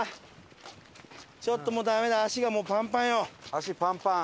足パンパン。